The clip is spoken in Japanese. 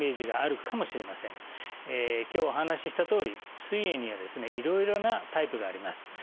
今日お話ししたとおりすい炎にはですねいろいろなタイプがあります。